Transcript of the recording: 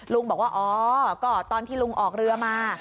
ลุงบอกว่าอ๋อก็ตอนที่ลุงออกเรือมา